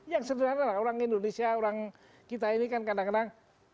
yang sederhana lah orang indonesia orang kita ini kan kadang kadang